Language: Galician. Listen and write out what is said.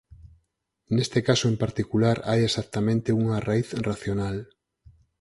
Neste caso en particular hai exactamente unha raíz racional.